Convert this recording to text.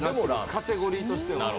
カテゴリーとしては。